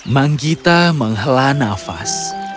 manggita menghela nafas